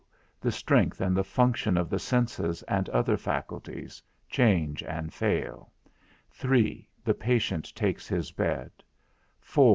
The strength and the function of the senses, and other faculties, change and fail 12 3. The patient takes his bed 17 4.